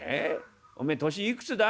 おめえ年いくつだ？」。